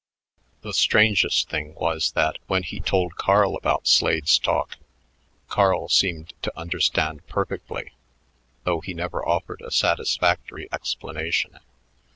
The strangest thing was that when he told Carl about Slade's talk, Carl seemed to understand perfectly, though he never offered a satisfactory explanation.